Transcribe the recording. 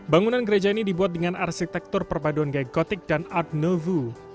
bangunan gereja ini dibuat dengan arsitektur perpaduan gaya gotik dan art nouveau